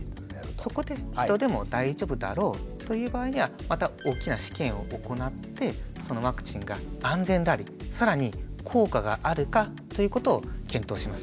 そこで人でも大丈夫だろうという場合にはまた大きな試験を行ってそのワクチンが安全であり更に効果があるかということを検討します。